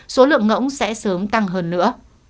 số lượng ngỗng sẽ sớm tăng hơn nữa